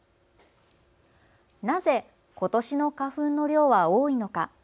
なぜことしの花粉の量は多いのか。